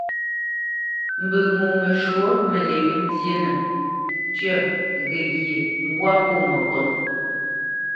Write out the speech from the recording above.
Mbə ŋo məshwǒ məlě məntyénə: tyə̂, ghəghye, mbwâ pô məkot.